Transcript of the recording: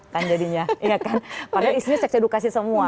padahal isinya seks edukasi semua